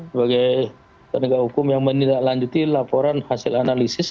sebagai tenaga hukum yang menilai lanjuti laporan hasil analisis